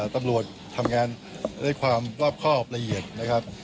ตำรวจทำงานด้วยความรอบครอบละเอียดนะครับ